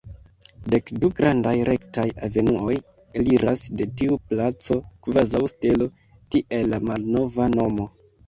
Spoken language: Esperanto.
Dek-du grandaj rektaj avenuoj eliras de tiu placo kvazaŭ stelo, tiel la malnova nomo.